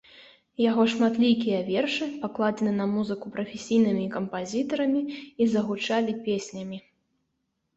Яго шматлікія вершы пакладзены на музыку прафесійнымі кампазітарамі і загучалі песнямі.